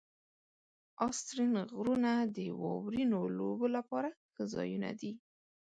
آسټرین غرونه د واورینو لوبو لپاره ښه ځایونه دي.